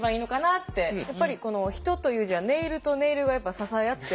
やっぱりこの「人」という字はネイルとネイルが支え合って。